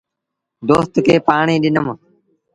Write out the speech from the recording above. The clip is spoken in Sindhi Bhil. دوست کي پآڻي ڏنم۔